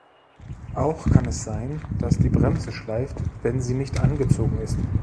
Auch kann es sein, dass die Bremse schleift, wenn sie nicht angezogen ist.